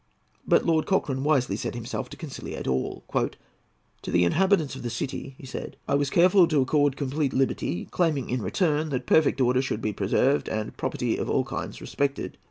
But Lord Cochrane wisely set himself to conciliate all. "To the inhabitants of the city," he said, "I was careful to accord complete liberty, claiming in return that perfect order should be preserved and property of all kinds respected.